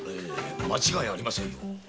間違いありませんよ。